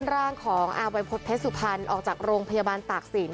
ขึ้นร่างของอาวัยพจน์เพศสุพรรณออกจากโรงพยาบาลตากสิน